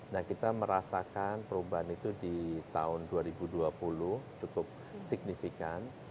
nah kita merasakan perubahan itu di tahun dua ribu dua puluh cukup signifikan